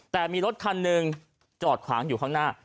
แต่มีรถคันหนึ่งจอดขวางอยู่ข้างหน้า